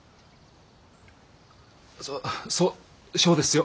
そそしょうですよ。